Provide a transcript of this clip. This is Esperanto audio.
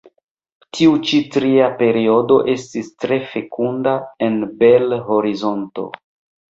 Tiu ĉi tria periodo estis tre fekunda en Bel-Horizonto.